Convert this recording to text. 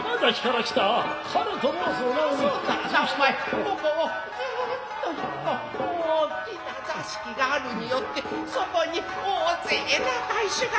ここをずっと行くと大きな座敷があるによってそこに大勢仲居衆がいやしゃんす。